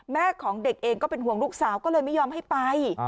แม่ของเด็กเองก็เป็นห่วงลูกสาวก็เลยไม่ยอมให้ไป